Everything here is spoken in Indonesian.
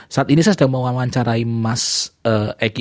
saat ini saya sedang mewawancarai mas eki